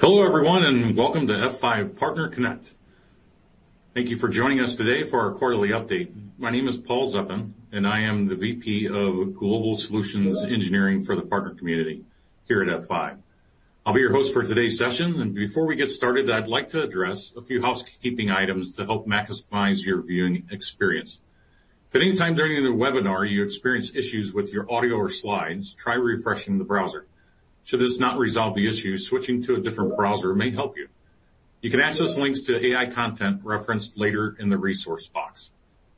Hello everyone and welcome to F5 Partner Connect. Thank you for joining us today for our quarterly update. My name is Paul Szczepan, and I am the VP of Global Solutions Engineering for the partner community here at F5. I'll be your host for today's session, and before we get started, I'd like to address a few housekeeping items to help maximize your viewing experience. If at any time during the webinar you experience issues with your audio or slides, try refreshing the browser. Should this not resolve the issue, switching to a different browser may help you. You can access links to AI content referenced later in the resource box.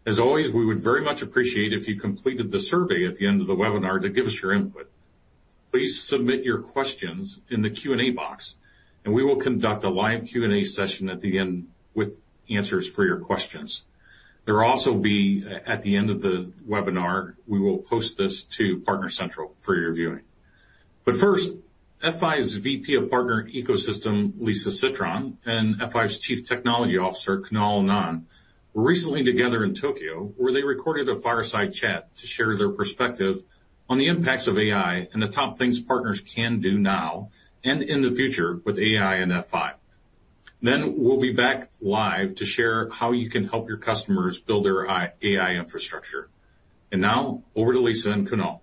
As always, we would very much appreciate it if you completed the survey at the end of the webinar to give us your input. Please submit your questions in the Q&A box, and we will conduct a live Q&A session at the end with answers for your questions. There will also be at the end of the webinar we will post this to Partner Central for your viewing. But first, F5's VP of Partner Ecosystem, Lisa Citron, and F5's Chief Technology Officer, Kunal Anand, were recently together in Tokyo, where they recorded a fireside chat to share their perspective on the impacts of AI and the top things partners can do now and in the future with AI and F5, then we'll be back live to share how you can help your customers build their AI infrastructure, and now, over to Lisa and Kunal.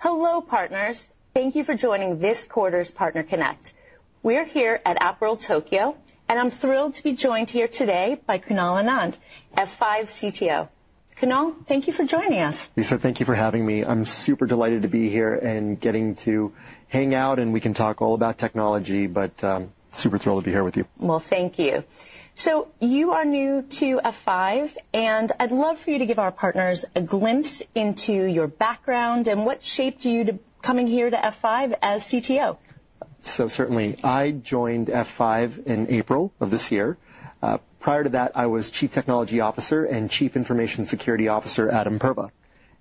Hello partners, thank you for joining this quarter's Partner Connect. We're here at AppWorld Tokyo, and I'm thrilled to be joined here today by Kunal Anand, F5 CTO. Kunal, thank you for joining us. Lisa, thank you for having me. I'm super delighted to be here and getting to hang out, and we can talk all about technology, but super thrilled to be here with you. Thank you. You are new to F5, and I'd love for you to give our partners a glimpse into your background and what shaped you to coming here to F5 as CTO. So certainly. I joined F5 in April of this year. Prior to that, I was Chief Technology Officer and Chief Information Security Officer at Imperva,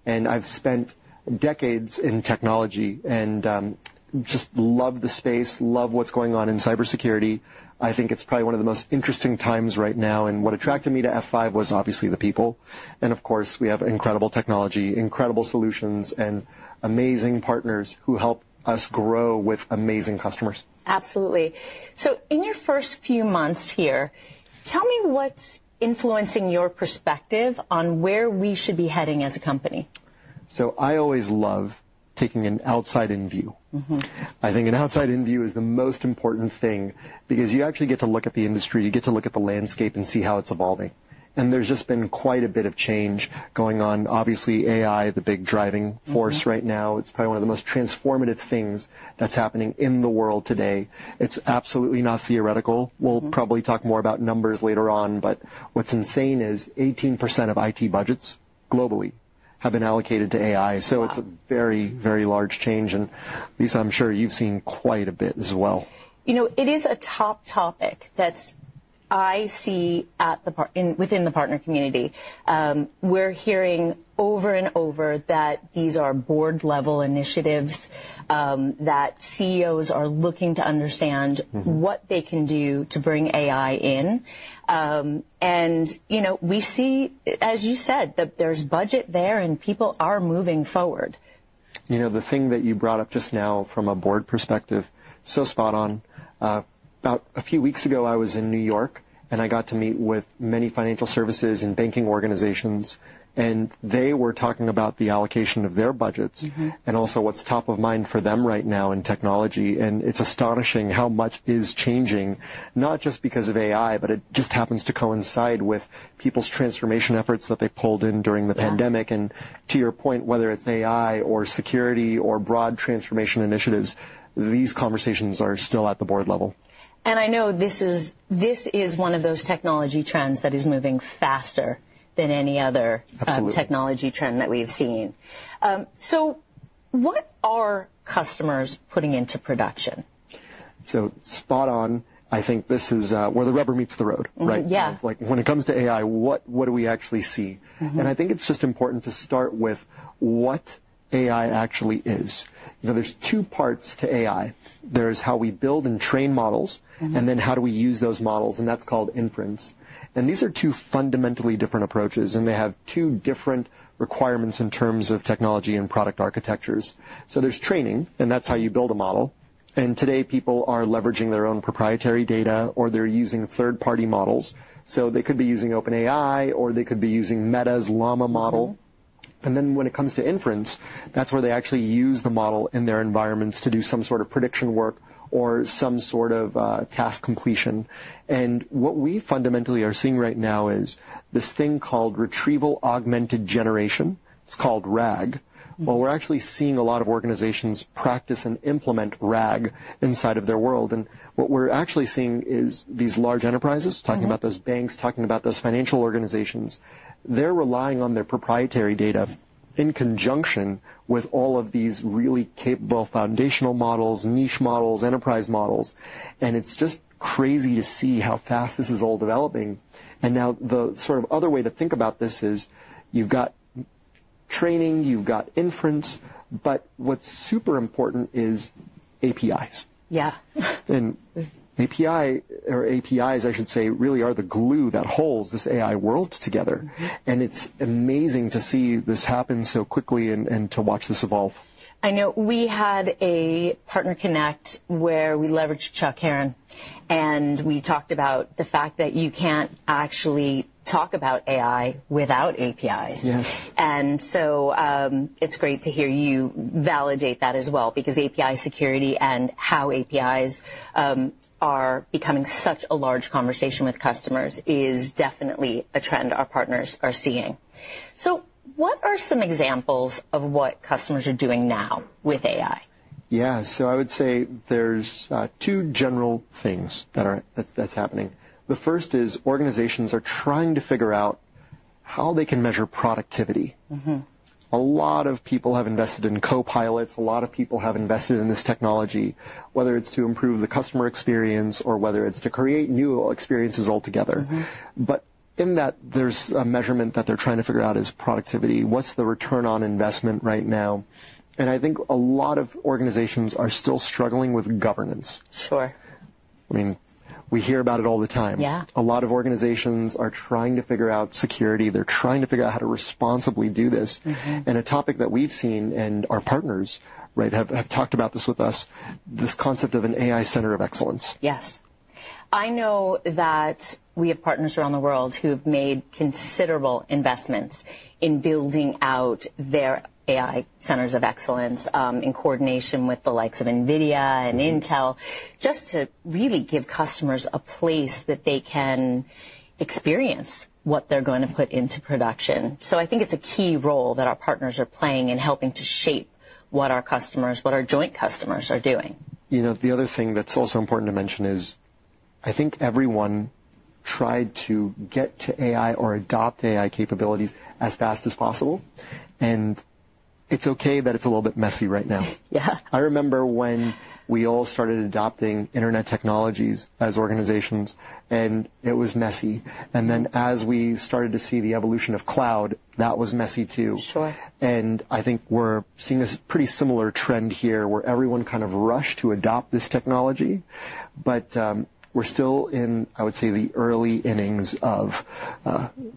and I've spent decades in technology and just love the space, love what's going on in cybersecurity. I think it's probably one of the most interesting times right now, and what attracted me to F5 was obviously the people. And of course, we have incredible technology, incredible solutions, and amazing partners who help us grow with amazing customers. Absolutely. So in your first few months here, tell me what's influencing your perspective on where we should be heading as a company? So I always love taking an outside-in view. I think an outside-in view is the most important thing because you actually get to look at the industry, you get to look at the landscape and see how it's evolving. And there's just been quite a bit of change going on. Obviously, AI, the big driving force right now, it's probably one of the most transformative things that's happening in the world today. It's absolutely not theoretical. We'll probably talk more about numbers later on, but what's insane is 18% of IT budgets globally have been allocated to AI. So it's a very, very large change, and Lisa, I'm sure you've seen quite a bit as well. You know, it is a top topic that I see within the partner community. We're hearing over and over that these are board-level initiatives, that CEOs are looking to understand what they can do to bring AI in. And you know, we see, as you said, that there's budget there and people are moving forward. You know, the thing that you brought up just now from a board perspective, so spot on. About a few weeks ago, I was in New York, and I got to meet with many financial services and banking organizations, and they were talking about the allocation of their budgets and also what's top of mind for them right now in technology. And it's astonishing how much is changing, not just because of AI, but it just happens to coincide with people's transformation efforts that they pulled in during the pandemic. And to your point, whether it's AI or security or broad transformation initiatives, these conversations are still at the board level. And I know this is one of those technology trends that is moving faster than any other technology trend that we've seen. So what are customers putting into production? So spot on, I think this is where the rubber meets the road, right? Yeah. Like when it comes to AI, what do we actually see? And I think it's just important to start with what AI actually is. You know, there's two parts to AI. There's how we build and train models, and then how do we use those models, and that's called inference. And these are two fundamentally different approaches, and they have two different requirements in terms of technology and product architectures. So there's training, and that's how you build a model. And today, people are leveraging their own proprietary data, or they're using third-party models. So they could be using OpenAI, or they could be using Meta's Llama model. And then when it comes to inference, that's where they actually use the model in their environments to do some sort of prediction work or some sort of task completion. And what we fundamentally are seeing right now is this thing called retrieval-augmented generation. It's called RAG. Well, we're actually seeing a lot of organizations practice and implement RAG inside of their world. And what we're actually seeing is these large enterprises talking about those banks, talking about those financial organizations. They're relying on their proprietary data in conjunction with all of these really capable foundational models, niche models, enterprise models. And it's just crazy to see how fast this is all developing. And now the sort of other way to think about this is you've got training, you've got inference, but what's super important is APIs. Yeah. And API, or APIs, I should say, really are the glue that holds this AI world together. And it's amazing to see this happen so quickly and to watch this evolve. I know we had a Partner Connect where we leveraged [Chad Whalen], and we talked about the fact that you can't actually talk about AI without APIs. Yes. And so it's great to hear you validate that as well because API security and how APIs are becoming such a large conversation with customers is definitely a trend our partners are seeing. So what are some examples of what customers are doing now with AI? Yeah, so I would say there's two general things that are happening. The 1st is organizations are trying to figure out how they can measure productivity. A lot of people have invested in Copilots. A lot of people have invested in this technology, whether it's to improve the customer experience or whether it's to create new experiences altogether. But in that, there's a measurement that they're trying to figure out is productivity. What's the return on investment right now, and I think a lot of organizations are still struggling with governance. Sure. I mean, we hear about it all the time. Yeah. A lot of organizations are trying to figure out security. They're trying to figure out how to responsibly do this. And a topic that we've seen, and our partners, right, have talked about this with us, this concept of an AI Center of Excellence. Yes. I know that we have partners around the world who have made considerable investments in building out their AI Centers of Excellence in coordination with the likes of NVIDIA and Intel, just to really give customers a place that they can experience what they're going to put into production. So I think it's a key role that our partners are playing in helping to shape what our customers, what our joint customers are doing. You know, the other thing that's also important to mention is I think everyone tried to get to AI or adopt AI capabilities as fast as possible. And it's okay that it's a little bit messy right now. Yeah. I remember when we all started adopting internet technologies as organizations, and it was messy, and then as we started to see the evolution of cloud, that was messy too. Sure. And I think we're seeing this pretty similar trend here where everyone kind of rushed to adopt this technology, but we're still in, I would say, the early innings of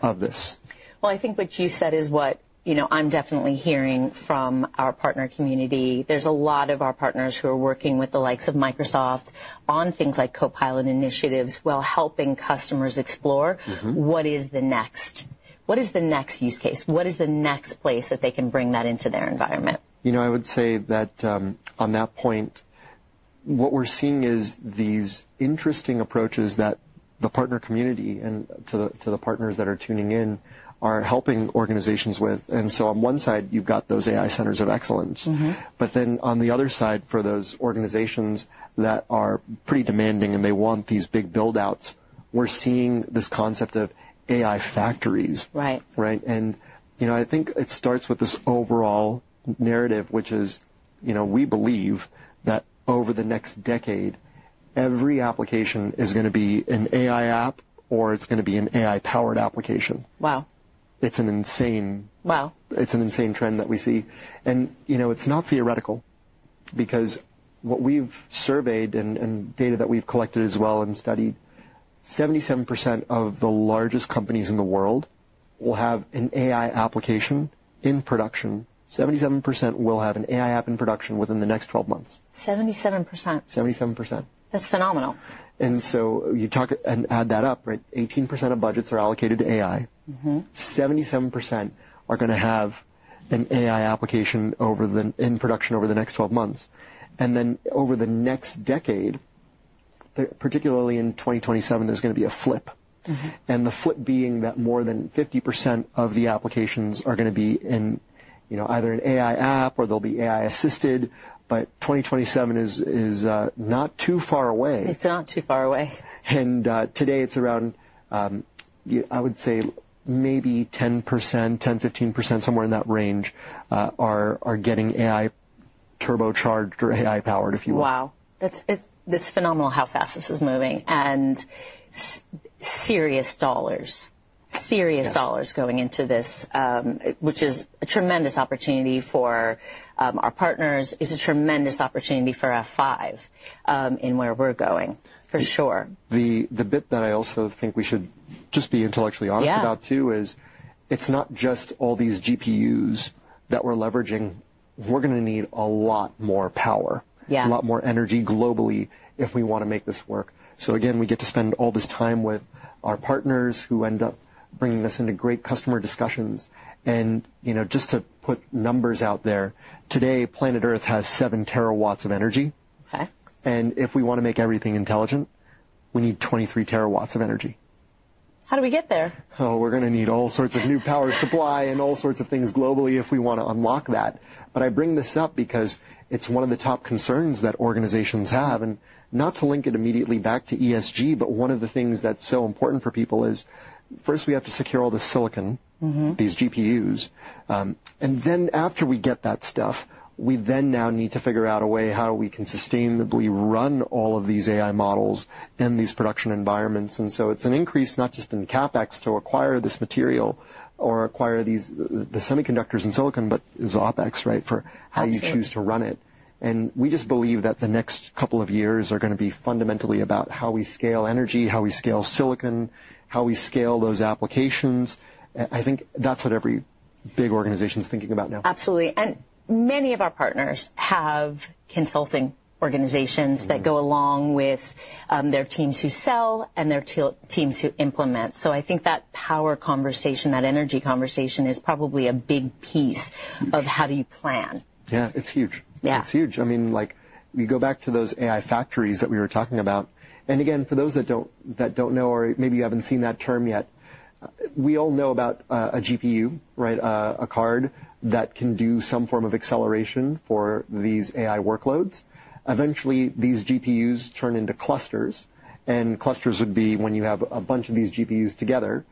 this. I think what you said is what, you know, I'm definitely hearing from our partner community. There's a lot of our partners who are working with the likes of Microsoft on things like Copilot initiatives while helping customers explore what is the next. What is the next use case? What is the next place that they can bring that into their environment? You know, I would say that on that point, what we're seeing is these interesting approaches that the partner community and to the partners that are tuning in are helping organizations with. And so on one side, you've got those AI Centers of Excellence, but then on the other side, for those organizations that are pretty demanding and they want these big buildouts, we're seeing this concept of AI factories. Right. Right? And you know, I think it starts with this overall narrative, which is, you know, we believe that over the next decade, every application is going to be an AI app or it's going to be an AI-powered application. Wow. It's an insane. Wow. It's an insane trend that we see, and you know, it's not theoretical because what we've surveyed and data that we've collected as well and studied, 77% of the largest companies in the world will have an AI application in production. 77% will have an AI app in production within the next 12 months. 77%. 77%. That's phenomenal. And so you talk and add that up, right? 18% of budgets are allocated to AI. 77% are going to have an AI application in production over the next 12 months. And then over the next decade, particularly in 2027, there's going to be a flip. And the flip being that more than 50% of the applications are going to be in, you know, either an AI app or they'll be AI-assisted, but 2027 is not too far away. It's not too far away. Today it's around, I would say, maybe 10%, 10%-15%, somewhere in that range are getting AI turbocharged or AI-powered, if you will. Wow. It's phenomenal how fast this is moving and serious dollars, serious dollars going into this, which is a tremendous opportunity for our partners, is a tremendous opportunity for F5 in where we're going, for sure. The bit that I also think we should just be intellectually honest about too is it's not just all these GPUs that we're leveraging. We're going to need a lot more power, a lot more energy globally if we want to make this work. So again, we get to spend all this time with our partners who end up bringing us into great customer discussions. And you know, just to put numbers out there, today planet Earth has 7 TW of energy. Okay. If we want to make everything intelligent, we need 23 TW of energy. How do we get there? Oh, we're going to need all sorts of new power supply and all sorts of things globally if we want to unlock that. But I bring this up because it's one of the top concerns that organizations have. And not to link it immediately back to ESG, but one of the things that's so important for people is first we have to secure all the silicon, these GPUs. And then after we get that stuff, we then now need to figure out a way how we can sustainably run all of these AI models in these production environments. And so it's an increase not just in CapEx to acquire this material or acquire the semiconductors and silicon, but it's OpEx, right, for how you choose to run it. And we just believe that the next couple of years are going to be fundamentally about how we scale energy, how we scale silicon, how we scale those applications. I think that's what every big organization is thinking about now. Absolutely. And many of our partners have consulting organizations that go along with their teams who sell and their teams who implement. So I think that power conversation, that energy conversation is probably a big piece of how do you plan? Yeah, it's huge. Yeah. It's huge. I mean, like we go back to those AI factories that we were talking about, and again, for those that don't know or maybe you haven't seen that term yet, we all know about a GPU, right, a card that can do some form of acceleration for these AI workloads. Eventually, these GPUs turn into clusters, and clusters would be when you have a bunch of these GPUs together.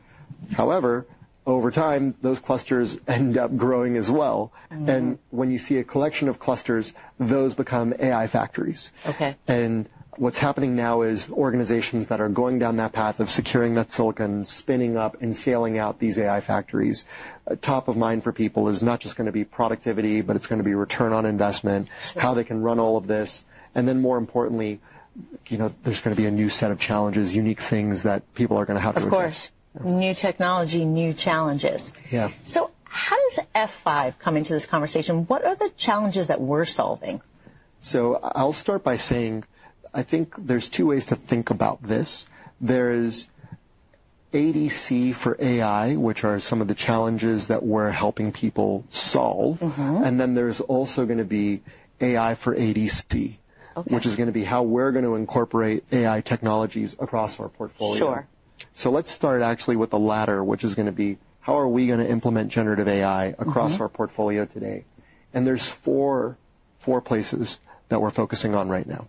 However, over time, those clusters end up growing as well, and when you see a collection of clusters, those become AI factories. Okay. And what's happening now is organizations that are going down that path of securing that silicon, spinning up and scaling out these AI factories. Top of mind for people is not just going to be productivity, but it's going to be return on investment, how they can run all of this. And then more importantly, you know, there's going to be a new set of challenges, unique things that people are going to have to admit. Of course. New technology, new challenges. Yeah. So how does F5 come into this conversation? What are the challenges that we're solving? I'll start by saying I think there's two ways to think about this. There's ADC for AI, which are some of the challenges that we're helping people solve, and then there's also going to be AI for ADC, which is going to be how we're going to incorporate AI technologies across our portfolio. Sure. So let's start actually with the latter, which is going to be how are we going to implement generative AI across our portfolio today? And there's four places that we're focusing on right now.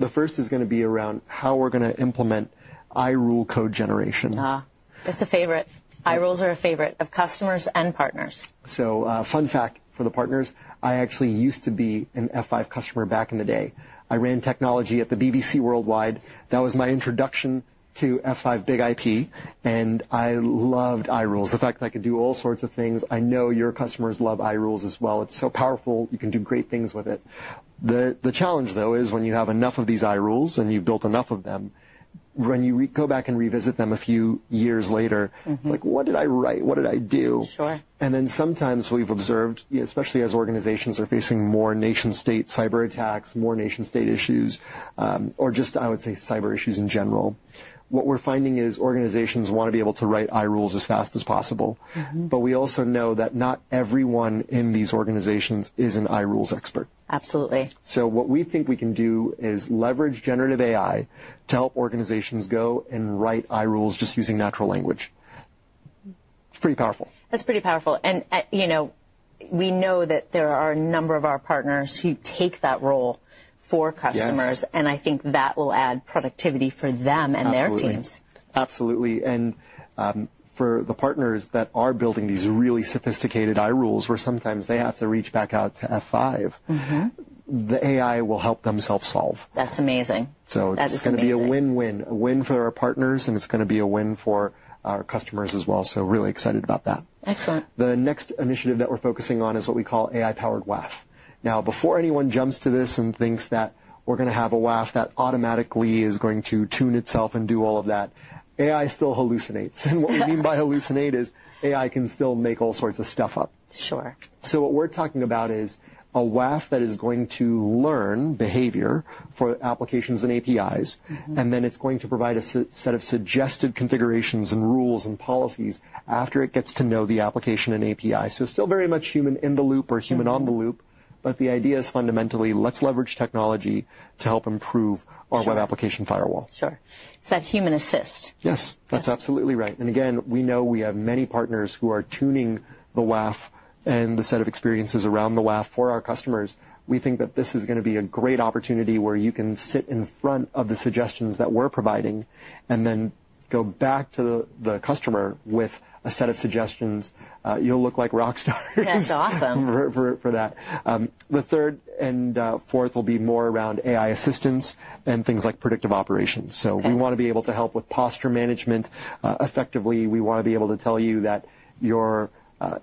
The first is going to be around how we're going to implement iRule code generation. That's a favorite. iRules are a favorite of customers and partners. So fun fact for the partners, I actually used to be an F5 customer back in the day. I ran technology at the BBC Worldwide. That was my introduction to F5 BIG-IP, and I loved iRules, the fact that I could do all sorts of things. I know your customers love iRules as well. It's so powerful. You can do great things with it. The challenge, though, is when you have enough of these iRules and you've built enough of them, when you go back and revisit them a few years later, it's like, what did I write? What did I do? Sure. And then sometimes we've observed, especially as organizations are facing more nation-state cyber attacks, more nation-state issues, or just, I would say, cyber issues in general, what we're finding is organizations want to be able to write iRules as fast as possible. But we also know that not everyone in these organizations is an iRules expert. Absolutely. So what we think we can do is leverage generative AI to help organizations go and write iRules just using natural language. It's pretty powerful. That's pretty powerful, and you know, we know that there are a number of our partners who take that role for customers, and I think that will add productivity for them and their teams. Absolutely. And for the partners that are building these really sophisticated iRules, where sometimes they have to reach back out to F5, the AI will help them self-solve. That's amazing. So it's going to be a win-win, a win for our partners, and it's going to be a win for our customers as well. So really excited about that. Excellent. The next initiative that we're focusing on is what we call AI-powered WAF. Now, before anyone jumps to this and thinks that we're going to have a WAF that automatically is going to tune itself and do all of that, AI still hallucinates, and what we mean by hallucinate is AI can still make all sorts of stuff up. Sure. So what we're talking about is a WAF that is going to learn behavior for applications and APIs, and then it's going to provide a set of suggested configurations and rules and policies after it gets to know the application and API. So still very much human in the loop or human on the loop, but the idea is fundamentally, let's leverage technology to help improve our web application firewall. Sure, so that human assist. Yes, that's absolutely right. And again, we know we have many partners who are tuning the WAF and the set of experiences around the WAF for our customers. We think that this is going to be a great opportunity where you can sit in front of the suggestions that we're providing and then go back to the customer with a set of suggestions. You'll look like rock stars. That's awesome. For that. The 3rd and 4th will be more around AI assistance and things like predictive operations, so we want to be able to help with posture management effectively. We want to be able to tell you that your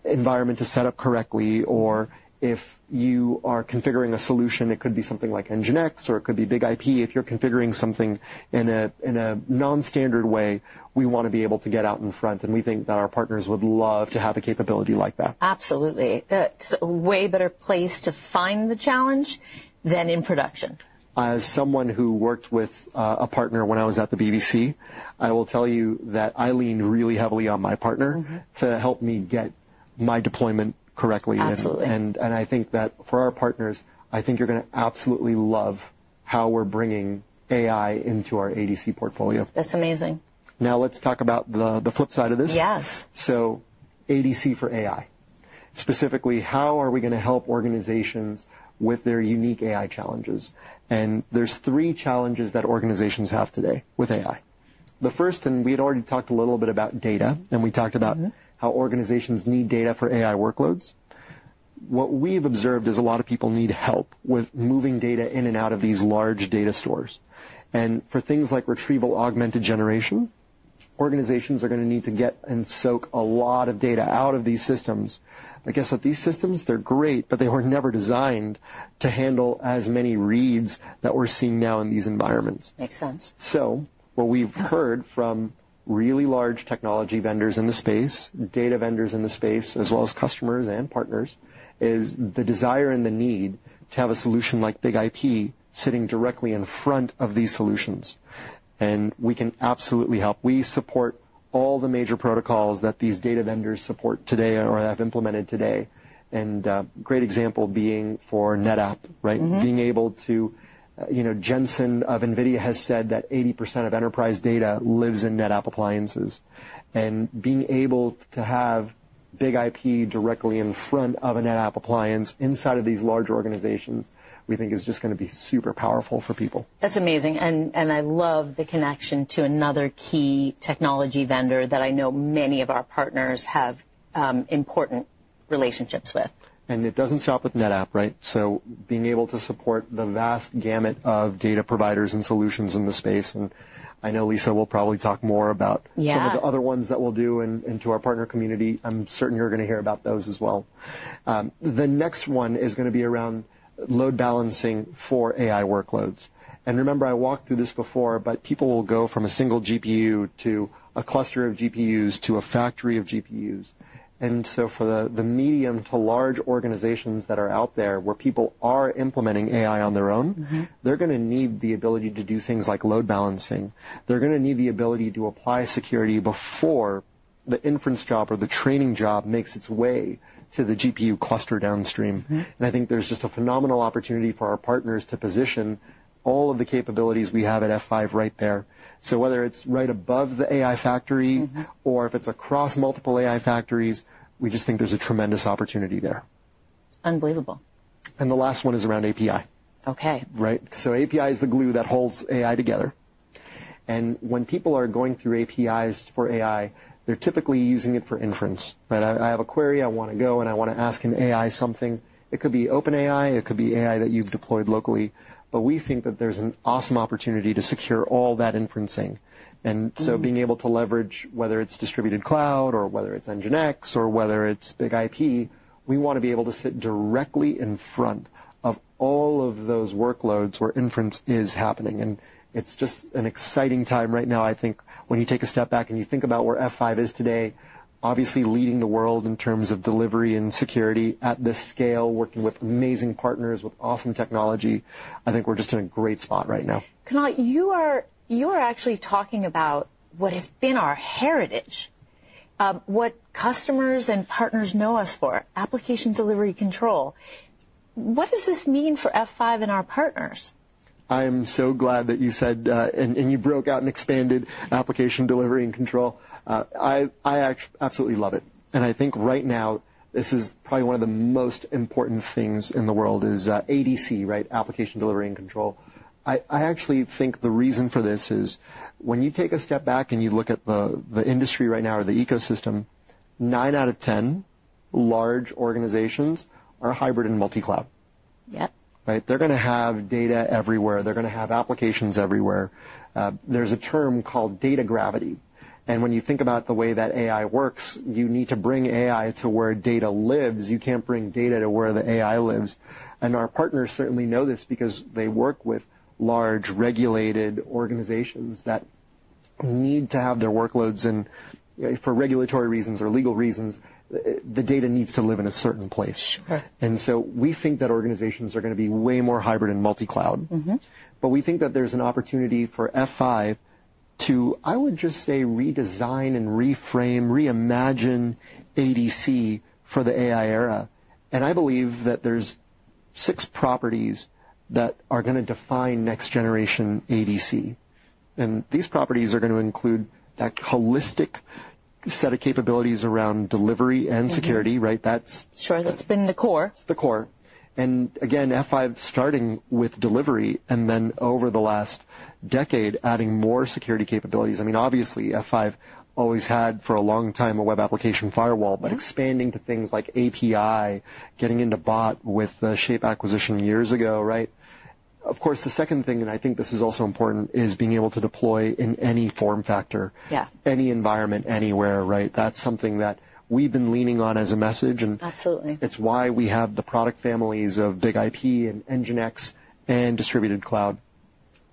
environment is set up correctly, or if you are configuring a solution, it could be something like NGINX, or it could be BIG-IP. If you're configuring something in a non-standard way, we want to be able to get out in front, and we think that our partners would love to have a capability like that. Absolutely. It's a way better place to find the challenge than in production. As someone who worked with a partner when I was at the BBC, I will tell you that I lean really heavily on my partner to help me get my deployment correctly. Absolutely. And I think that for our partners, I think you're going to absolutely love how we're bringing AI into our ADC portfolio. That's amazing. Now let's talk about the flip side of this. Yes. So ADC for AI, specifically, how are we going to help organizations with their unique AI challenges? And there's three challenges that organizations have today with AI. The 1st, and we had already talked a little bit about data, and we talked about how organizations need data for AI workloads. What we've observed is a lot of people need help with moving data in and out of these large data stores. And for things like retrieval- augmented generation, organizations are going to need to get and soak a lot of data out of these systems. I guess that these systems, they're great, but they were never designed to handle as many reads that we're seeing now in these environments. Makes sense. So what we've heard from really large technology vendors in the space, data vendors in the space, as well as customers and partners, is the desire and the need to have a solution like BIG-IP sitting directly in front of these solutions. And we can absolutely help. We support all the major protocols that these data vendors support today or have implemented today. And great example being for NetApp, right? Being able to, you know, Jensen of NVIDIA has said that 80% of enterprise data lives in NetApp appliances. And being able to have BIG-IP directly in front of a NetApp appliance inside of these large organizations, we think is just going to be super powerful for people. That's amazing, and I love the connection to another key technology vendor that I know many of our partners have important relationships with. And it doesn't stop with NetApp, right? So being able to support the vast gamut of data providers and solutions in the space. And I know Lisa will probably talk more about some of the other ones that we'll do and to our partner community. I'm certain you're going to hear about those as well. The next one is going to be around load balancing for AI workloads. And remember, I walked through this before, but people will go from a single GPU to a cluster of GPUs to a factory of GPUs. And so for the medium to large organizations that are out there where people are implementing AI on their own, they're going to need the ability to do things like load balancing. They're going to need the ability to apply security before the inference job or the training job makes its way to the GPU cluster downstream. And I think there's just a phenomenal opportunity for our partners to position all of the capabilities we have at F5 right there. So whether it's right above the AI factory or if it's across multiple AI factories, we just think there's a tremendous opportunity there. Unbelievable. And the last one is around API. Okay. Right? So API is the glue that holds AI together. And when people are going through APIs for AI, they're typically using it for inference, right? I have a query, I want to go, and I want to ask an AI something. It could be OpenAI, it could be AI that you've deployed locally. But we think that there's an awesome opportunity to secure all that inferencing. And so being able to leverage, whether it's distributed cloud or whether it's NGINX or whether it's BIG-IP, we want to be able to sit directly in front of all of those workloads where inference is happening. And it's just an exciting time right now. I think when you take a step back and you think about where F5 is today, obviously leading the world in terms of delivery and security at this scale, working with amazing partners with awesome technology, I think we're just in a great spot right now. Kunal, you are actually talking about what has been our heritage, what customers and partners know us for, application delivery controller. What does this mean for F5 and our partners? I am so glad that you said and you broke out and expanded application delivery controller. I absolutely love it, and I think right now, this is probably one of the most important things in the world is ADC, right? Application delivery controller. I actually think the reason for this is when you take a step back and you look at the industry right now or the ecosystem, nine out of 10 large organizations are hybrid and multi-cloud. Yep. Right? They're going to have data everywhere. They're going to have applications everywhere. There's a term called data gravity. And when you think about the way that AI works, you need to bring AI to where data lives. You can't bring data to where the AI lives. And our partners certainly know this because they work with large regulated organizations that need to have their workloads in, for regulatory reasons or legal reasons, the data needs to live in a certain place. Sure. And so we think that organizations are going to be way more hybrid and multi-cloud. But we think that there's an opportunity for F5 to, I would just say, redesign and reframe, reimagine ADC for the AI era. And I believe that there's six properties that are going to define next generation ADC. And these properties are going to include that holistic set of capabilities around delivery and security, right? That's. Sure. That's been the core. It's the core, and again, F5 starting with delivery and then over the last decade, adding more security capabilities. I mean, obviously, F5 always had for a long time a web application firewall, but expanding to things like API, getting into bot with the Shape acquisition years ago, right? Of course, the second thing, and I think this is also important, is being able to deploy in any form factor, any environment, anywhere, right? That's something that we've been leaning on as a message. Absolutely. And it's why we have the product families of BIG-IP and NGINX and Distributed Cloud.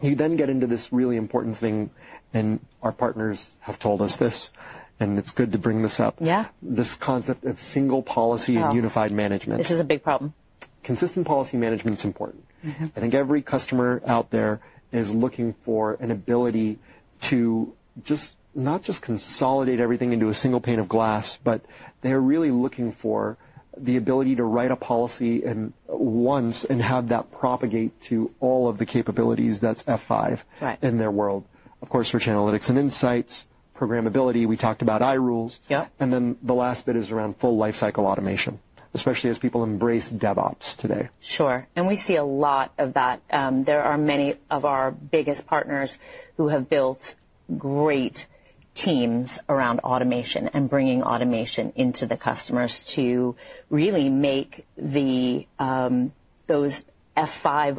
You then get into this really important thing, and our partners have told us this, and it's good to bring this up. Yeah. This concept of single policy and unified management. This is a big problem. Consistent policy management is important. I think every customer out there is looking for an ability to just not just consolidate everything into a single pane of glass, but they're really looking for the ability to write a policy once and have that propagate to all of the capabilities that's F5 in their world. Of course, rich analytics and insights, programmability. We talked about iRules. Yep. And then the last bit is around full lifecycle automation, especially as people embrace DevOps today. Sure, and we see a lot of that. There are many of our biggest partners who have built great teams around automation and bringing automation into the customers to really make those F5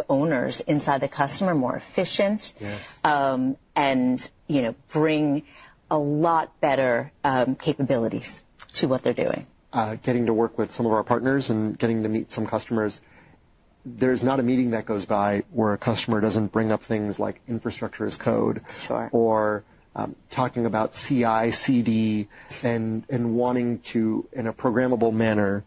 owners inside the customer more efficient. Yes. You know, bring a lot better capabilities to what they're doing. Getting to work with some of our partners and getting to meet some customers. There's not a meeting that goes by where a customer doesn't bring up things like infrastructure as code. Sure. Or talking about CI/CD and wanting to, in a programmable manner,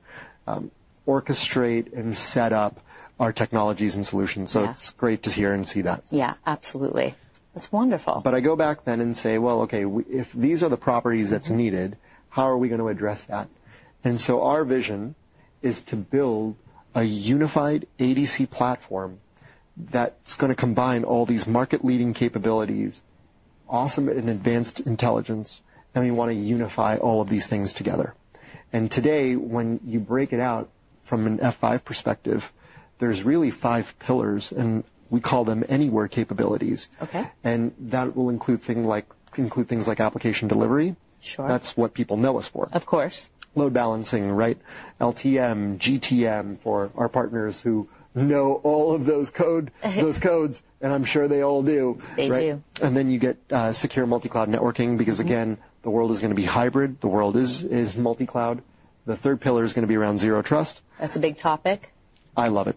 orchestrate and set up our technologies and solutions. Yes. It's great to hear and see that. Yeah, absolutely. That's wonderful. But I go back then and say, well, okay, if these are the properties that's needed, how are we going to address that? And so our vision is to build a unified ADC platform that's going to combine all these market-leading capabilities, awesome and advanced intelligence, and we want to unify all of these things together. And today, when you break it out from an F5 perspective, there's really five pillars, and we call them anywhere capabilities. Okay. That will include things like application delivery. Sure. That's what people know us for. Of course. Load balancing, right? LTM, GTM for our partners who know all of those codes, and I'm sure they all do. They do. And then you get secure multi-cloud networking because, again, the world is going to be hybrid. The world is multi-cloud. The third pillar is going to be around Zero Trust. That's a big topic. I love it.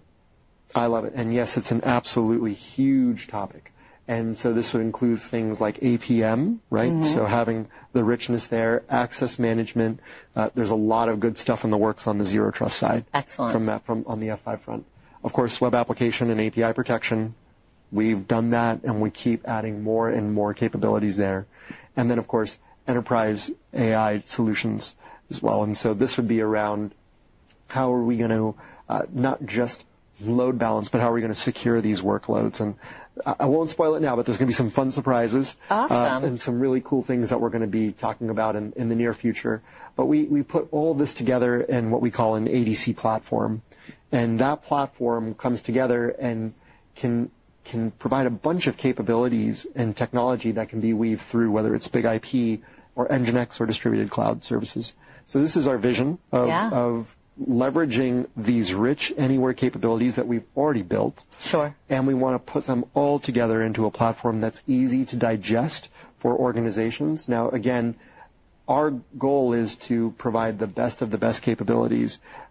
I love it. And yes, it's an absolutely huge topic. And so this would include things like APM, right? So having the richness there, access management. There's a lot of good stuff in the works on the Zero Trust side. Excellent. From that, on the F5 front. Of course, web application and API protection. We've done that, and we keep adding more and more capabilities there. And then, of course, enterprise AI solutions as well. And so this would be around how are we going to not just load balance, but how are we going to secure these workloads? And I won't spoil it now, but there's going to be some fun surprises. Awesome. And some really cool things that we're going to be talking about in the near future. But we put all this together in what we call an ADC platform. And that platform comes together and can provide a bunch of capabilities and technology that can be weaved through, whether it's BIG-IP or NGINX or Distributed Cloud Services. So this is our vision of leveraging these rich anywhere capabilities that we've already built. Sure. And we want to put them all together into a platform that's easy to digest for organizations. Now, again, our goal is to provide the best of the best capabilities, but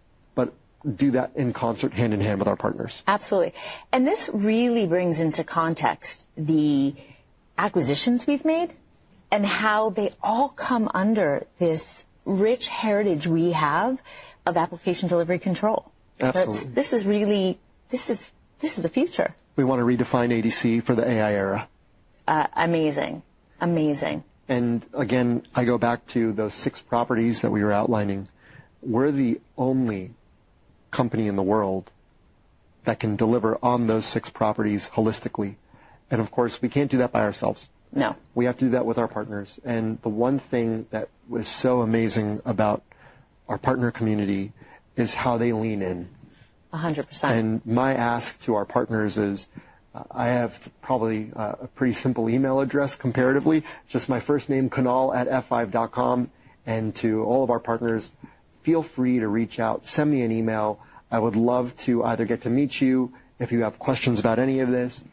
do that in concert, hand in hand with our partners. Absolutely, and this really brings into context the acquisitions we've made and how they all come under this rich heritage we have of application delivery controller. Absolutely. This is really, this is the future. We want to redefine ADC for the AI era. Amazing. Amazing. And again, I go back to those six properties that we were outlining. We're the only company in the world that can deliver on those six properties holistically. And of course, we can't do that by ourselves. No. We have to do that with our partners, and the one thing that was so amazing about our partner community is how they lean in. 100%. And my ask to our partners is, I have probably a pretty simple email address comparatively, just my first name, kunal@f5.com. And to all of our partners, feel free to reach out, send me an email. I would love to either get to meet you if you have questions about any of this.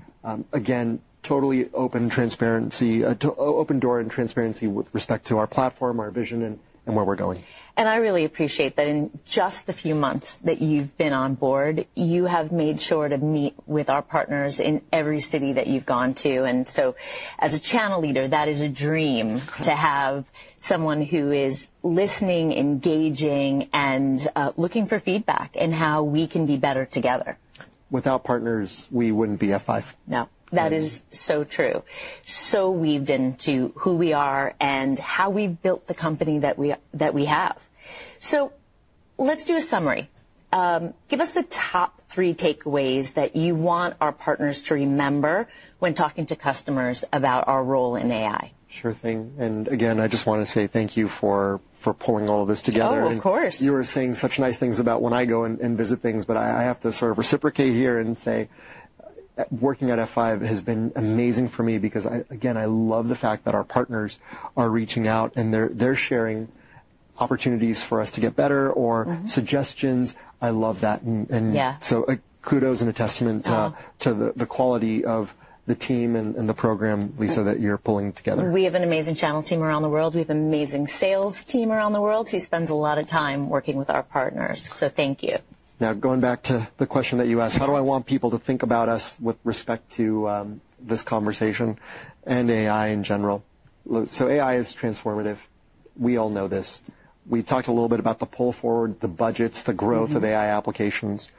Again, totally open transparency, open door and transparency with respect to our platform, our vision, and where we're going. And I really appreciate that in just the few months that you've been on board, you have made sure to meet with our partners in every city that you've gone to. And so as a channel leader, that is a dream to have someone who is listening, engaging, and looking for feedback and how we can be better together. Without partners, we wouldn't be F5. No. That is so true. So weaved into who we are and how we've built the company that we have. So let's do a summary. Give us the top three takeaways that you want our partners to remember when talking to customers about our role in AI. Sure thing. And again, I just want to say thank you for pulling all of this together. Oh, of course. And you were saying such nice things about when I go and visit things, but I have to sort of reciprocate here and say working at F5 has been amazing for me because, again, I love the fact that our partners are reaching out and they're sharing opportunities for us to get better or suggestions. I love that. And so kudos and a testament to the quality of the team and the program, Lisa, that you're pulling together. We have an amazing channel team around the world. We have an amazing sales team around the world who spends a lot of time working with our partners. So thank you. Now, going back to the question that you asked, how do I want people to think about us with respect to this conversation and AI in general? So AI is transformative. We all know this. We talked a little bit about the pull forward, the budgets, the growth of AI applications.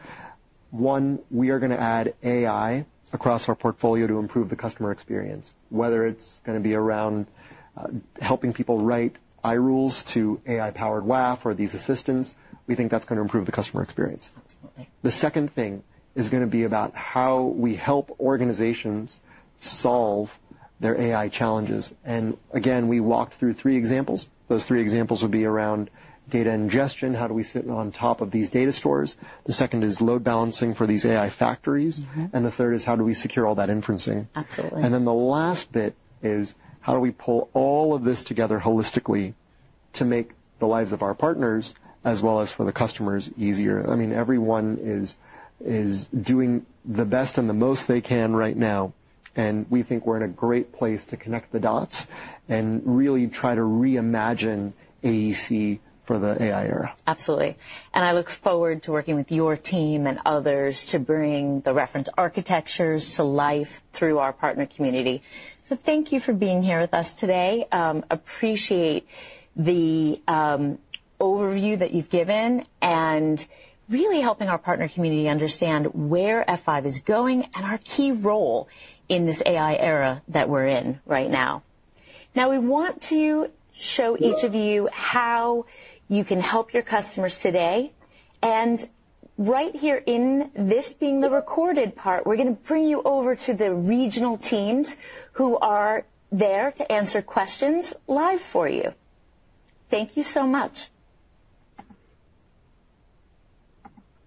One, we are going to add AI across our portfolio to improve the customer experience, whether it's going to be around helping people write iRules to AI-powered WAF or these assistants. We think that's going to improve the customer experience. The second thing is going to be about how we help organizations solve their AI challenges. And again, we walked through three examples. Those three examples would be around data ingestion, how do we sit on top of these data stores? The second is load balancing for these AI factories. The third is how do we secure all that inferencing? Absolutely. And then the last bit is how do we pull all of this together holistically to make the lives of our partners as well as for the customers easier? I mean, everyone is doing the best and the most they can right now. And we think we're in a great place to connect the dots and really try to reimagine ADC for the AI era. Absolutely. And I look forward to working with your team and others to bring the reference architectures to life through our partner community. So thank you for being here with us today. Appreciate the overview that you've given and really helping our partner community understand where F5 is going and our key role in this AI era that we're in right now. Now, we want to show each of you how you can help your customers today. And right here in this being the recorded part, we're going to bring you over to the regional teams who are there to answer questions live for you. Thank you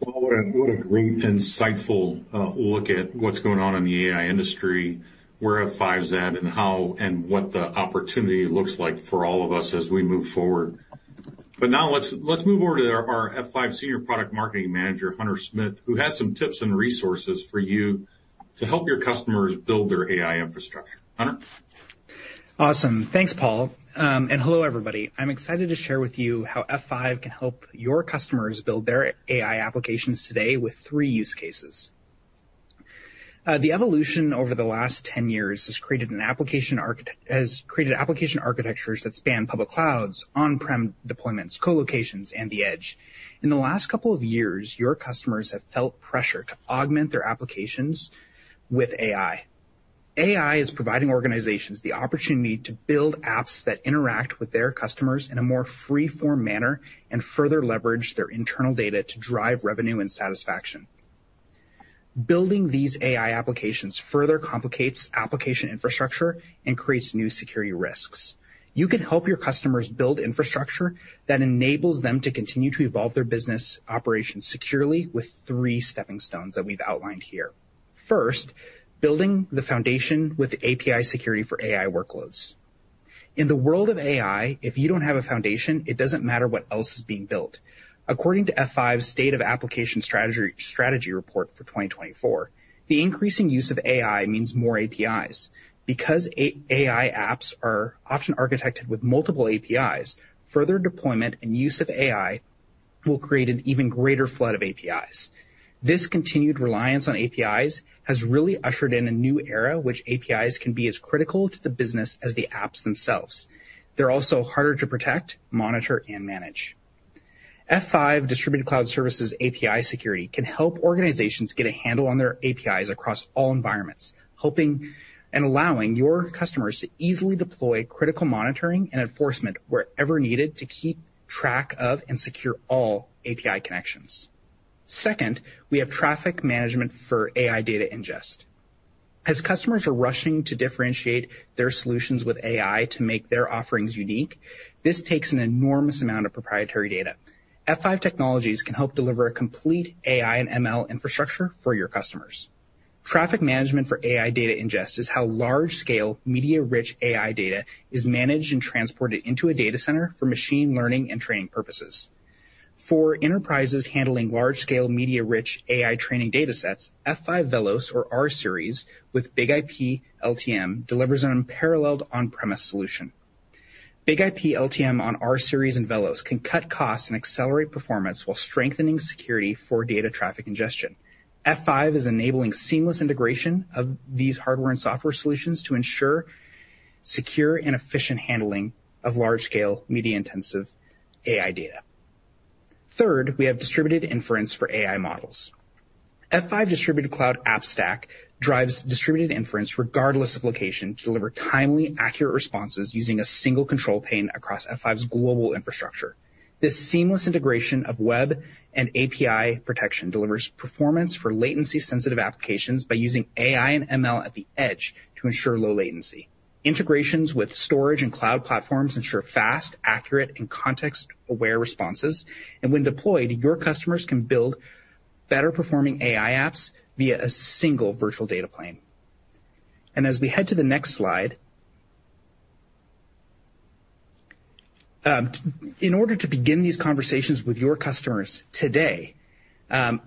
so much. What a great, insightful look at what's going on in the AI industry, where F5's at, and how and what the opportunity looks like for all of us as we move forward. But now let's move over to our F5 Senior Product Marketing Manager, Hunter Smit, who has some tips and resources for you to help your customers build their AI infrastructure. Hunter? Awesome. Thanks, Paul. And hello, everybody. I'm excited to share with you how F5 can help your customers build their AI applications today with three use cases. The evolution over the last 10 years has created application architectures that span public clouds, on-prem deployments, co-locations, and the edge. In the last couple of years, your customers have felt pressure to augment their applications with AI. AI is providing organizations the opportunity to build apps that interact with their customers in a more freeform manner and further leverage their internal data to drive revenue and satisfaction. Building these AI applications further complicates application infrastructure and creates new security risks. You can help your customers build infrastructure that enables them to continue to evolve their business operations securely with three stepping stones that we've outlined here. First, building the foundation with API security for AI workloads. In the world of AI, if you don't have a foundation, it doesn't matter what else is being built. According to F5's State of Application Strategy Report for 2024, the increasing use of AI means more APIs. Because AI apps are often architected with multiple APIs, further deployment and use of AI will create an even greater flood of APIs. This continued reliance on APIs has really ushered in a new era which APIs can be as critical to the business as the apps themselves. They're also harder to protect, monitor, and manage. F5 Distributed Cloud Services API security can help organizations get a handle on their APIs across all environments, helping and allowing your customers to easily deploy critical monitoring and enforcement wherever needed to keep track of and secure all API connections. Second, we have traffic management for AI data ingest. As customers are rushing to differentiate their solutions with AI to make their offerings unique, this takes an enormous amount of proprietary data. F5 technologies can help deliver a complete AI and ML infrastructure for your customers. Traffic management for AI data ingest is how large-scale media-rich AI data is managed and transported into a data center for machine learning and training purposes. For enterprises handling large-scale media-rich AI training data sets, F5 VELOS, or rSeries, with BIG-IP LTM, delivers an unparalleled on-premises solution. BIG-IP LTM on rSeries and VELOS can cut costs and accelerate performance while strengthening security for data traffic ingestion. F5 is enabling seamless integration of these hardware and software solutions to ensure secure and efficient handling of large-scale media-intensive AI data. Third, we have distributed inference for AI models. F5 Distributed Cloud App Stack drives distributed inference regardless of location to deliver timely, accurate responses using a single control plane across F5's global infrastructure. This seamless integration of web and API protection delivers performance for latency-sensitive applications by using AI and ML at the edge to ensure low latency. Integrations with storage and cloud platforms ensure fast, accurate, and context-aware responses, and when deployed, your customers can build better-performing AI apps via a single virtual data plane, and as we head to the next slide, in order to begin these conversations with your customers today,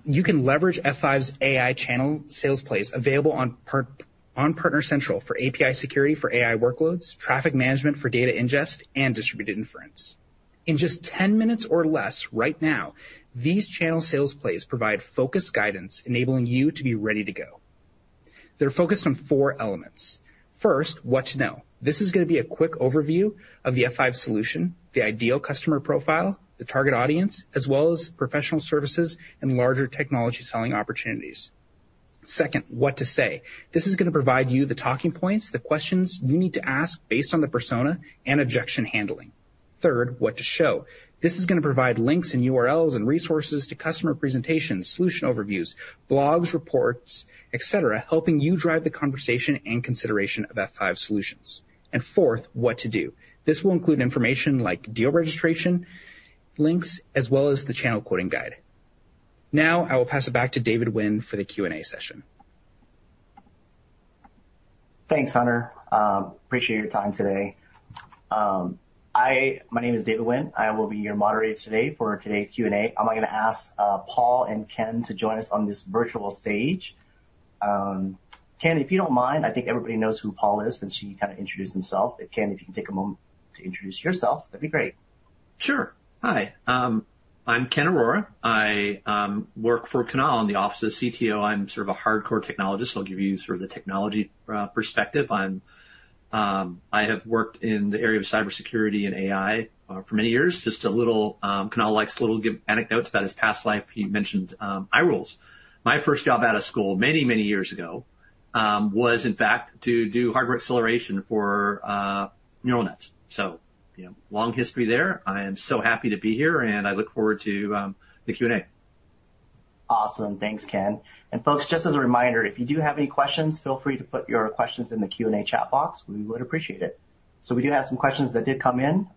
you can leverage F5's AI channel salesplay available on Partner Central for API security for AI workloads, traffic management for data ingest, and distributed inference. In just 10 minutes or less right now, these channel salesplays provide focused guidance, enabling you to be ready to go. They're focused on four elements. First, what to know. This is going to be a quick overview of the F5 solution, the ideal customer profile, the target audience, as well as professional services and larger technology selling opportunities. Second, what to say. This is going to provide you the talking points, the questions you need to ask based on the persona and objection handling. Third, what to show. This is going to provide links and URLs and resources to customer presentations, solution overviews, blogs, reports, etc., helping you drive the conversation and consideration of F5 solutions. And 4th, what to do. This will include information like deal registration links, as well as the channel quoting guide. Now, I will pass it back to David [Willman] for the Q&A session. Thanks, Hunter. Appreciate your time today. My name is David Rodewald. I will be your moderator today for today's Q&A. I'm going to ask Paul and Ken to join us on this virtual stage. Ken, if you don't mind, I think everybody knows who Paul is, and she kind of introduced himself. If Ken, if you can take a moment to introduce yourself, that'd be great. Sure. Hi. I'm Ken Arora. I work for Kunal in the office of CTO. I'm sort of a hardcore technologist. I'll give you sort of the technology perspective. I have worked in the area of cybersecurity and AI for many years. Just a little, Kunal likes a little anecdote about his past life. He mentioned iRules. My first job out of school many, many years ago was, in fact, to do hardware acceleration for neural nets, so long history there. I am so happy to be here, and I look forward to the Q&A. Awesome. Thanks, Ken. And folks, just as a reminder, if you do have any questions, feel free to put your questions in the Q&A chat box. We would appreciate it. So we do have some questions that did come in.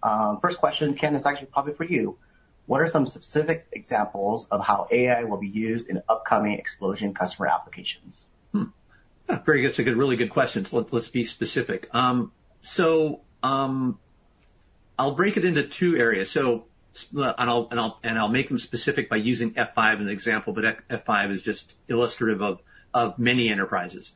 First question, Ken, it's actually probably for you. What are some specific examples of how AI will be used in upcoming explosion customer applications? Very good. It's a really good question. Let's be specific. So I'll break it into two areas. And I'll make them specific by using F5 as an example, but F5 is just illustrative of many enterprises.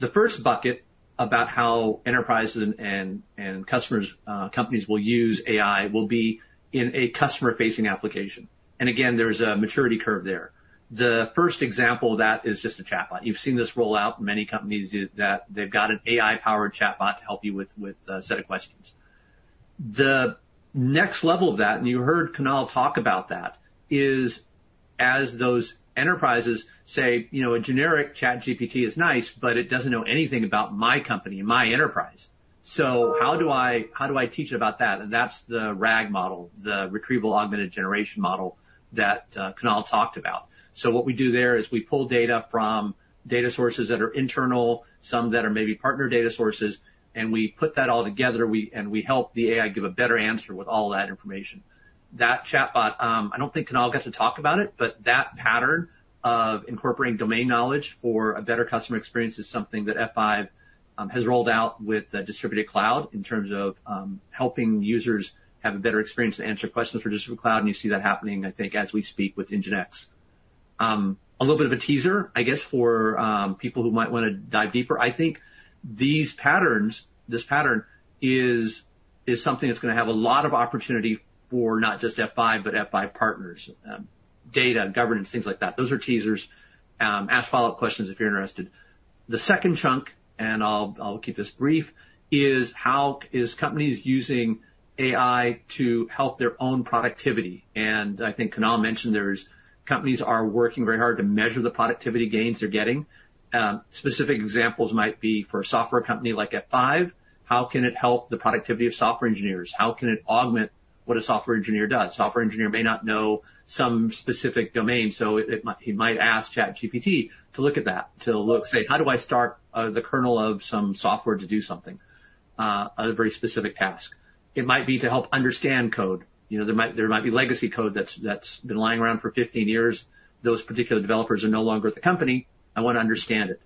The 1st bucket about how enterprises and customers' companies will use AI will be in a customer-facing application. And again, there's a maturity curve there. The first example of that is just a chatbot. You've seen this roll out in many companies that they've got an AI-powered chatbot to help you with a set of questions. The next level of that, and you heard Kunal talk about that, is as those enterprises say, "A generic ChatGPT is nice, but it doesn't know anything about my company and my enterprise. So how do I teach about that?" And that's the RAG model, the Retrieval-Augmented Generation model that Kunal talked about. So what we do there is we pull data from data sources that are internal, some that are maybe partner data sources, and we put that all together, and we help the AI give a better answer with all that information. That chatbot, I don't think Kunal got to talk about it, but that pattern of incorporating domain knowledge for a better customer experience is something that F5 has rolled out with the Distributed Cloud in terms of helping users have a better experience to answer questions for Distributed Cloud. And you see that happening, I think, as we speak with NGINX. A little bit of a teaser, I guess, for people who might want to dive deeper. I think this pattern is something that's going to have a lot of opportunity for not just F5, but F5 partners, data, governance, things like that. Those are teasers. Ask follow-up questions if you're interested. The 2nd chunk, and I'll keep this brief, is how companies are using AI to help their own productivity, and I think Kunal mentioned there's companies that are working very hard to measure the productivity gains they're getting. Specific examples might be for a software company like F5. How can it help the productivity of software engineers? How can it augment what a software engineer does? A software engineer may not know some specific domain, so he might ask ChatGPT to look at that, to look, say, "How do I start the kernel of some software to do something?" A very specific task. It might be to help understand code. There might be legacy code that's been lying around for 15 years. Those particular developers are no longer at the company. I want to understand it.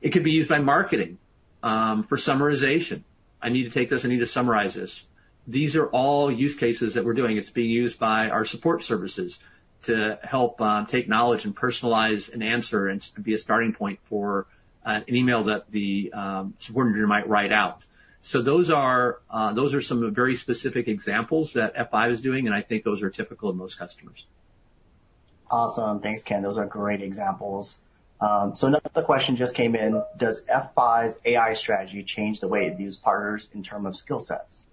It could be used by marketing for summarization. I need to take this. I need to summarize this. These are all use cases that we're doing. It's being used by our support services to help take knowledge, personalize an answer, and be a starting point for an email that the support engineer might write out. So those are some very specific examples that F5 is doing, and I think those are typical of most customers. Awesome. Thanks, Ken. Those are great examples. So another question just came in. Does F5's AI strategy change the way it views partners in terms of skill sets?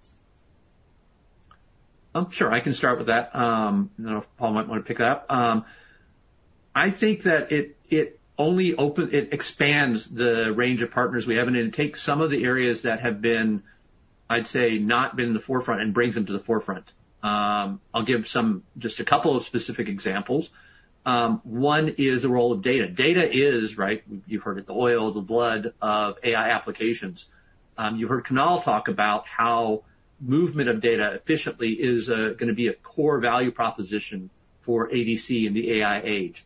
Sure. I can start with that. I don't know if Paul might want to pick that up. I think that it expands the range of partners we have, and it takes some of the areas that have been, I'd say, not been in the forefront and brings them to the forefront. I'll give just a couple of specific examples. One is the role of data. Data is, right, you've heard it, the oil, the blood of AI applications. You heard Kunal talk about how movement of data efficiently is going to be a core value proposition for ADC in the AI age.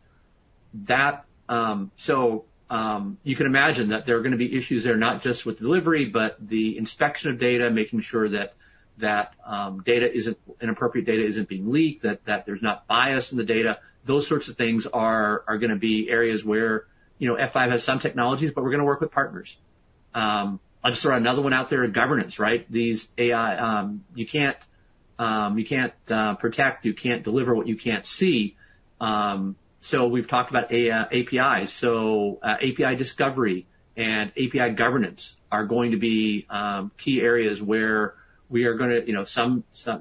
So you can imagine that there are going to be issues there, not just with delivery, but the inspection of data, making sure that inappropriate data isn't being leaked, that there's not bias in the data. Those sorts of things are going to be areas where F5 has some technologies, but we're going to work with partners. I'll just throw another one out there in governance, right? You can't protect. You can't deliver what you can't see. So we've talked about APIs. So API discovery and API governance are going to be key areas where we are going to.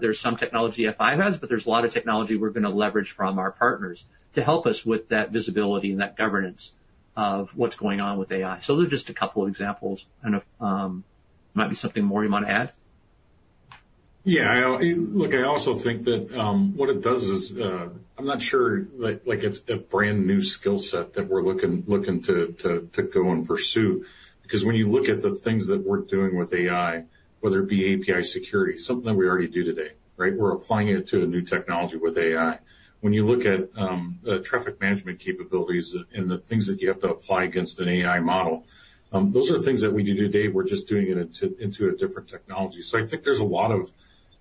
There's some technology F5 has, but there's a lot of technology we're going to leverage from our partners to help us with that visibility and that governance of what's going on with AI. So those are just a couple of examples. I don't know if there might be something more you want to add. Yeah. Look, I also think that what it does is, I'm not sure it's a brand new skill set that we're looking to go and pursue. Because when you look at the things that we're doing with AI, whether it be API security, something that we already do today, right? We're applying it to a new technology with AI. When you look at traffic management capabilities and the things that you have to apply against an AI model, those are things that we do today. We're just doing it into a different technology. So I think there's a lot of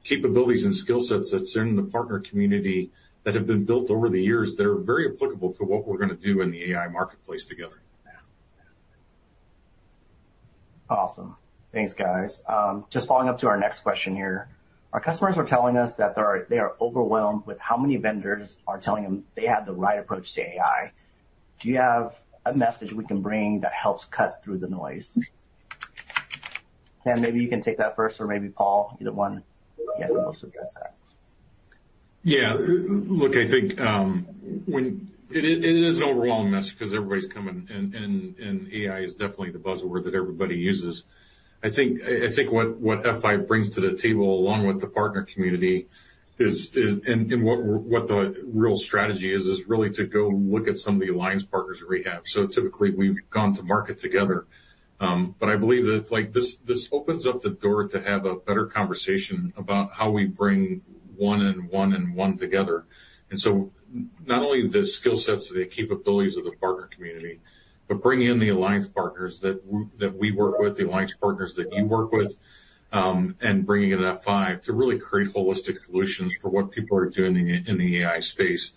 capabilities and skill sets that's in the partner community that have been built over the years that are very applicable to what we're going to do in the AI marketplace together. Awesome. Thanks, guys. Just following up to our next question here. Our customers are telling us that they are overwhelmed with how many vendors are telling them they have the right approach to AI. Do you have a message we can bring that helps cut through the noise? Ken, maybe you can take that first, or maybe Paul, either one. You guys can both suggest that. Yeah. Look, I think it is an overwhelming message because everybody's coming, and AI is definitely the buzzword that everybody uses. I think what F5 brings to the table along with the partner community and what the real strategy is, is really to go look at some of the alliance partners that we have. So typically, we've gone to market together. But I believe that this opens up the door to have a better conversation about how we bring one and one and one together. And so not only the skill sets and the capabilities of the partner community, but bringing in the alliance partners that we work with, the alliance partners that you work with, and bringing in F5 to really create holistic solutions for what people are doing in the AI space.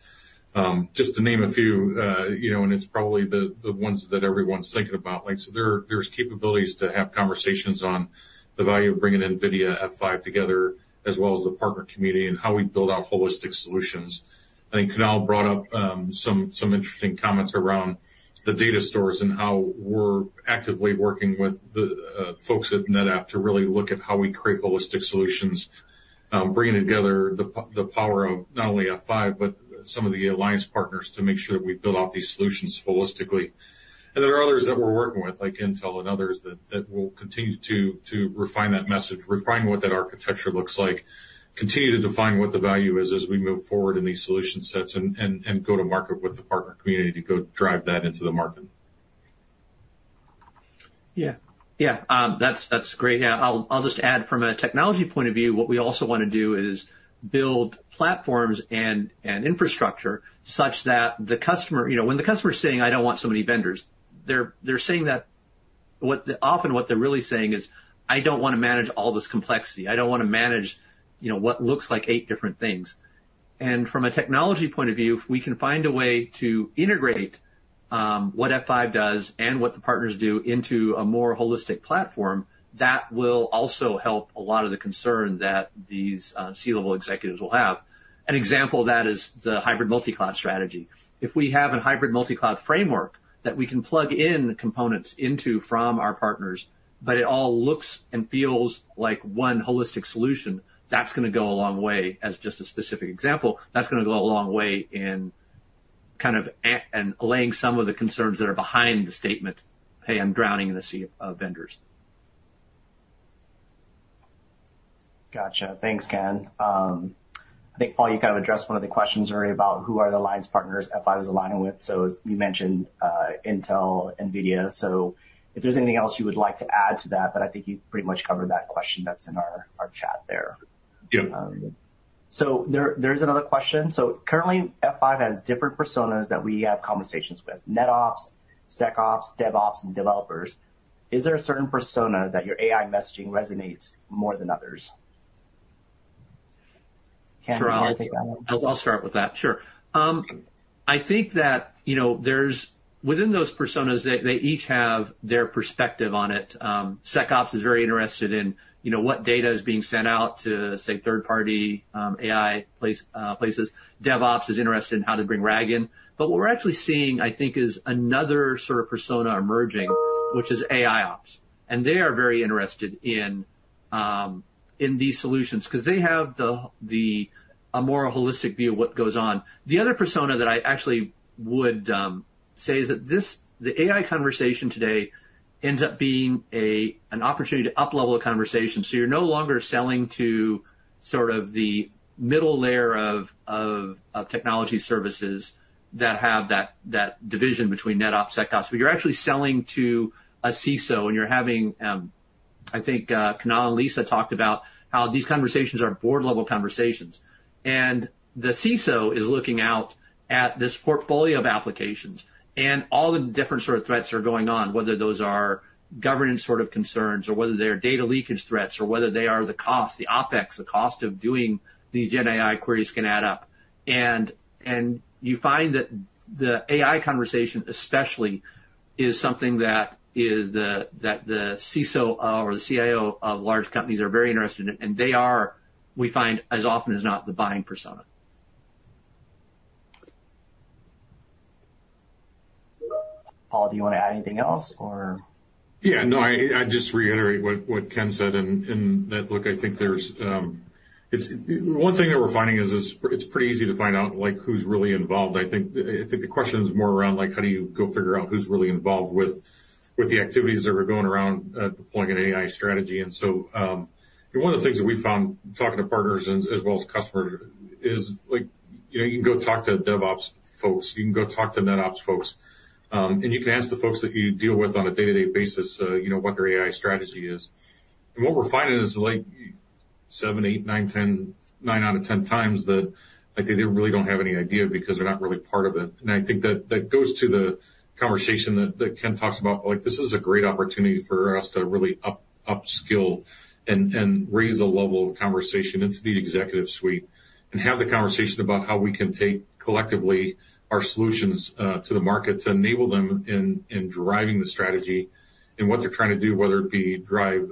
Just to name a few, and it's probably the ones that everyone's thinking about. So there's capabilities to have conversations on the value of bringing NVIDIA F5 together, as well as the partner community and how we build out holistic solutions. I think Kunal brought up some interesting comments around the data stores and how we're actively working with the folks at NetApp to really look at how we create holistic solutions, bringing together the power of not only F5, but some of the alliance partners to make sure that we build out these solutions holistically. And there are others that we're working with, like Intel and others, that will continue to refine that message, refine what that architecture looks like, continue to define what the value is as we move forward in these solution sets and go to market with the partner community to go drive that into the market. Yeah. Yeah. That's great. Yeah. I'll just add from a technology point of view, what we also want to do is build platforms and infrastructure such that the customer, when the customer is saying, "I don't want so many vendors," they're saying that often what they're really saying is, "I don't want to manage all this complexity. I don't want to manage what looks like eight different things." And from a technology point of view, if we can find a way to integrate what F5 does and what the partners do into a more holistic platform, that will also help a lot of the concern that these C-level executives will have. An example of that is the hybrid multi-cloud strategy. If we have a hybrid multi-cloud framework that we can plug in components into from our partners, but it all looks and feels like one holistic solution, that's going to go a long way. As just a specific example, that's going to go a long way in kind of allaying some of the concerns that are behind the statement, "Hey, I'm drowning in a sea of vendors. Gotcha. Thanks, Ken. I think, Paul, you kind of addressed one of the questions already about who are the alliance partners F5 is aligning with. So you mentioned Intel, NVIDIA. So if there's anything else you would like to add to that, but I think you pretty much covered that question that's in our chat there. Yeah. So there is another question. So currently, F5 has different personas that we have conversations with: NetOps, SecOps, DevOps, and developers. Is there a certain persona that your AI messaging resonates more than others? Ken, do you want to take that one? Sure. I'll start with that. Sure. I think that within those personas, they each have their perspective on it. SecOps is very interested in what data is being sent out to, say, third-party AI places. DevOps is interested in how to bring RAG in. But what we're actually seeing, I think, is another sort of persona emerging, which is AIOps. And they are very interested in these solutions because they have a more holistic view of what goes on. The other persona that I actually would say is that the AI conversation today ends up being an opportunity to up-level a conversation. So you're no longer selling to sort of the middle layer of technology services that have that division between NetOps, SecOps. But you're actually selling to a CISO. And I think Kunal and Lisa talked about how these conversations are board-level conversations. And the CISO is looking out at this portfolio of applications, and all the different sort of threats are going on, whether those are governance sort of concerns or whether they are data leakage threats or whether they are the cost, the OpEx, the cost of doing these GenAI queries can add up, and you find that the AI conversation, especially, is something that the CISO or the CIO of large companies are very interested in, and they are, we find, as often as not, the buying persona. Paul, do you want to add anything else, or? Yeah. No, I'd just reiterate what Ken said. And look, I think there's one thing that we're finding is it's pretty easy to find out who's really involved. I think the question is more around how do you go figure out who's really involved with the activities that are going around deploying an AI strategy. And so one of the things that we found talking to partners as well as customers is you can go talk to DevOps folks. You can go talk to NetOps folks. And you can ask the folks that you deal with on a day-to-day basis what their AI strategy is. And what we're finding is seven, eight, nine, 10, nine out of 10 times that they really don't have any idea because they're not really part of it. And I think that goes to the conversation that Ken talks about. This is a great opportunity for us to really upskill and raise the level of conversation into the executive suite and have the conversation about how we can take collectively our solutions to the market to enable them in driving the strategy and what they're trying to do, whether it be drive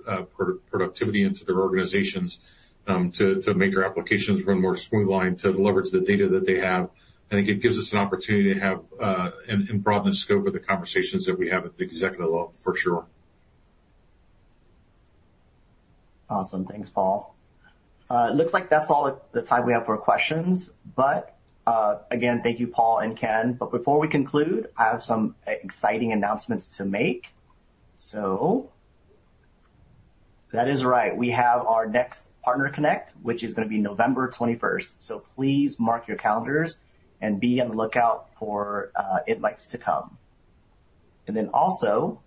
productivity into their organizations to make their applications run more smoothly to leverage the data that they have. I think it gives us an opportunity to broaden the scope of the conversations that we have at the executive level, for sure. Awesome. Thanks, Paul. It looks like that's all the time we have for questions. But again, thank you, Paul and Ken. But before we conclude, I have some exciting announcements to make. So that is right. We have our next Partner Connect, which is going to be November 21st. So please mark your calendars and be on the lookout for it likes to come. And then also,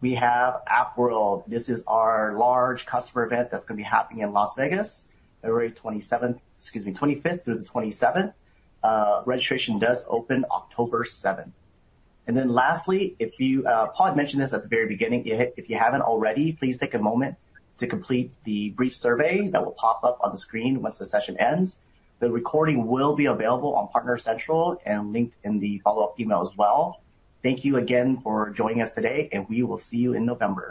we have AppWorld. This is our large customer event that's going to be happening in Las Vegas, February 27th, excuse me, 25th through the 27th. Registration does open October 7th. And then lastly, Paul had mentioned this at the very beginning. If you haven't already, please take a moment to complete the brief survey that will pop up on the screen once the session ends. The recording will be available on Partner Central and linked in the follow-up email as well. Thank you again for joining us today, and we will see you in November.